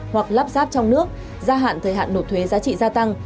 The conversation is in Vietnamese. hoặc lắp ráp trong nước gia hạn thời hạn nộp thuế giá trị gia tăng